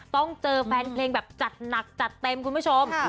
ต้องเจอแฟนเพลงแบบจัดหนักจัดเต็มคุณผู้ชม